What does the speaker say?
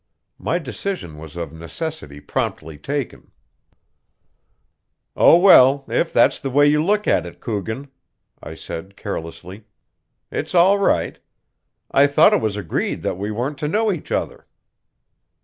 My decision was of necessity promptly taken. "Oh, well, if that's the way you look at it, Coogan," I said carelessly, "it's all right. I thought it was agreed that we weren't to know each other."